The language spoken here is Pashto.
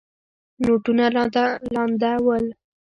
نوټونه لانده ول.